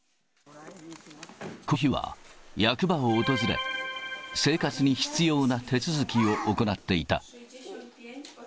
この日は役場を訪れ、生活に必要な手続きを行っていた。